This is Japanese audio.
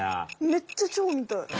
めっちゃチョウみたい。